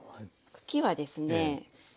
茎はですね